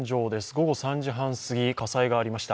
午後３時半すぎ、火災がありました。